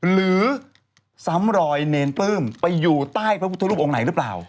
หรือซ้ำรอยเนรปลื้มไปอยู่ใต้พระพุทธรูปองค์ไหนหรือเปล่า